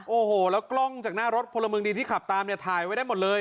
โอ้โหแล้วกล้องจากหน้ารถพลเมืองดีที่ขับตามเนี่ยถ่ายไว้ได้หมดเลย